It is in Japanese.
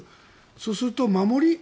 そうすると守り。